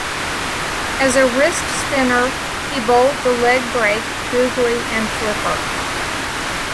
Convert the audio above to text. As a wrist-spinner, he bowled the legbreak, googly and flipper.